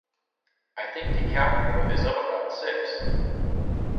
I think DiCaprio is up about six.